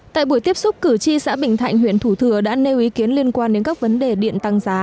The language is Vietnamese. tại buổi tiếp xúc cử tri xã bình thạnh huyện thủ thừa đã nêu ý kiến liên quan đến các vấn đề điện tăng giá